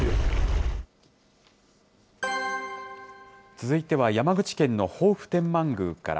続いては山口県の防府天満宮から。